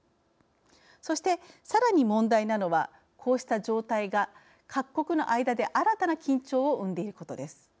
そして、さらに問題なのはこうした状態が各国の間で新たな緊張を生んでいることです。